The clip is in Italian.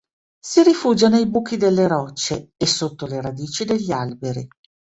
Si rifugia nei buchi delle rocce e sotto le radici degli alberi.